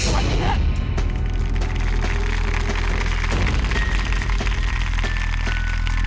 สวัสดีครับ